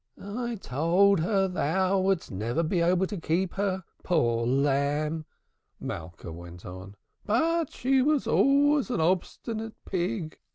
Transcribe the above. "I told her thou wouldst never be able to keep her, poor lamb," Malka went on. "But she was always an obstinate pig.